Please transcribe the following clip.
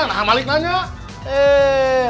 nah malik nanya eh